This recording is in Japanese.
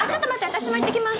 私も行って来ます！